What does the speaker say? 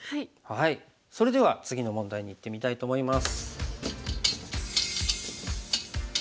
それでは次の問題にいってみたいと思います。